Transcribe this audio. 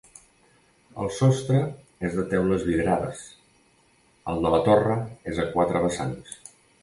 El sostre és de teules vidrades, el de la torre és a quatre vessants.